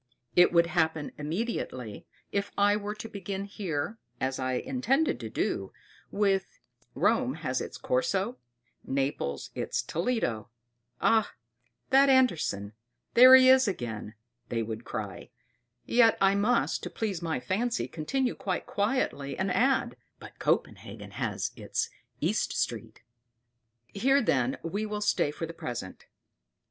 It would happen immediately if I were to begin here, as I intended to do, with: "Rome has its Corso, Naples its Toledo" "Ah! that Andersen; there he is again!" they would cry; yet I must, to please my fancy, continue quite quietly, and add: "But Copenhagen has its East Street." Here, then, we will stay for the present.